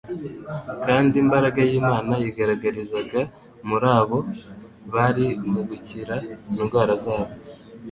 kandi «imbaraga y'Imana yigaragarizaga muri abo bari mu gukira indwara zabo.